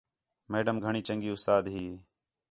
میڈم گھݨیں چنڳی اُستاد ہی